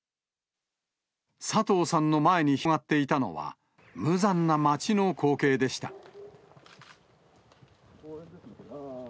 佐藤さんの前に広がっていたのは、無残な街の光景でした。